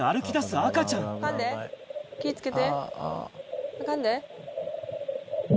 あかんで。